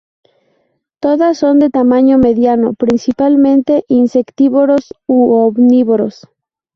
Todas son de tamaño mediano, principalmente insectívoros u omnívoros.